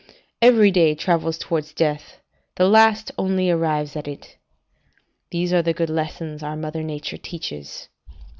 Every day travels towards death; the last only arrives at it." These are the good lessons our mother Nature teaches.